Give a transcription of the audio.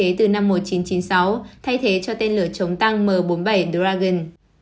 tên lửa javelin được đưa vào biên chế từ năm một nghìn chín trăm chín mươi sáu thay thế cho tên lửa chống tăng m bốn mươi bảy dragon